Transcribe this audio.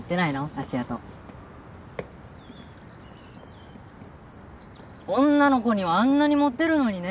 芦屋と女の子にはあんなにモテるのにね